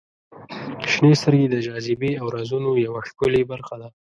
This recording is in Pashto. • شنې سترګې د جاذبې او رازونو یوه ښکلې برخه ده.